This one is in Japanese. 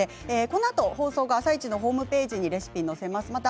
このあと放送の「あさイチ」のホームページでレシピを載せます。